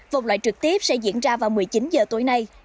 vòng loại trực tiếp sẽ diễn ra vào một mươi chín h tối nay